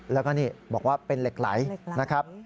แล้วก็นี่บอกว่าเป็นเหล็กไหลนะครับ